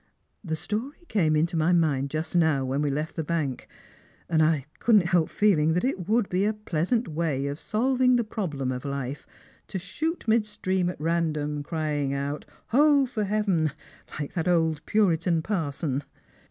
The story came into my mind just now, when we left the bank, and I couldn't help feeling that it would be a pleasant way of solving the problem of life to shoot mid stream at random, crying out, ' Ho, for heaven !' like that old puritac parson."